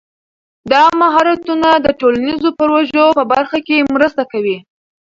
دا مهارتونه د ټولنیزو پروژو په برخه کې مرسته کوي.